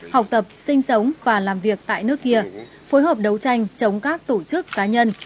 học tập sinh sống và làm việc tại nước kia phối hợp đấu tranh chống các tổ chức cá nhân